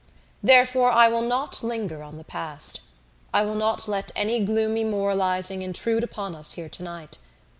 "Therefore, I will not linger on the past. I will not let any gloomy moralising intrude upon us here tonight.